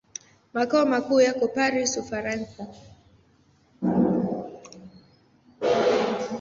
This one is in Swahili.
Makao makuu yako Paris, Ufaransa.